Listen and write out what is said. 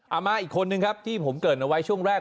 มาอีกคนนึงครับที่ผมเกิดเอาไว้ช่วงแรก